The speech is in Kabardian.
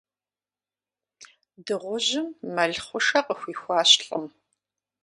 Дыгъужьым мэл хъушэ къыхуихуащ лӀым.